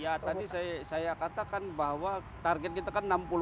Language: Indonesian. ya tadi saya katakan bahwa target kita kan enam puluh